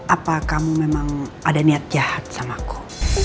apa kamu memang ada niat jahat sama aku